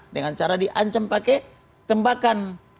dengan cara diancam pakai tembakan